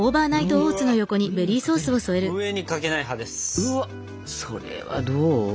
うわっそれはどう？